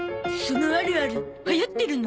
その「あるある」